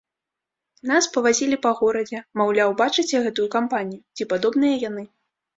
Нас павазілі па горадзе, маўляў, бачыце гэтую кампанію, ці падобныя яны?